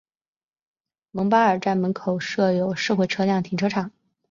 蒙巴尔站门口设有社会车辆停车场。